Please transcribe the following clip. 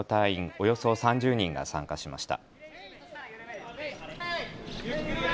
およそ３０人が参加しました。